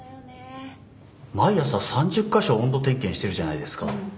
毎朝３０か所温度点検してるじゃないですか。